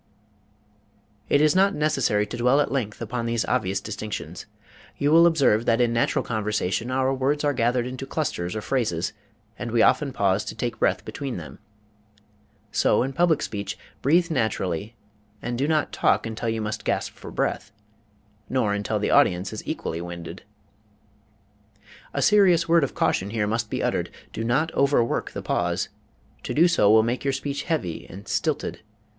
It is not necessary to dwell at length upon these obvious distinctions. You will observe that in natural conversation our words are gathered into clusters or phrases, and we often pause to take breath between them. So in public speech, breathe naturally and do not talk until you must gasp for breath; nor until the audience is equally winded. A serious word of caution must here be uttered: do not overwork the pause. To do so will make your speech heavy and stilted.